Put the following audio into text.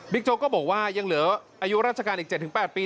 โจ๊กก็บอกว่ายังเหลืออายุราชการอีก๗๘ปี